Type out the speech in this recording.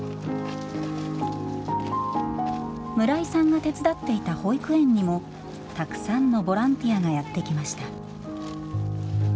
村井さんが手伝っていた保育園にもたくさんのボランティアがやって来ました。